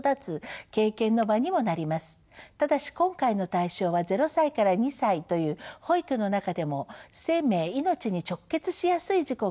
ただし今回の対象は０歳から２歳という保育の中でも生命命に直結しやすい事故が起こりやすい年齢です。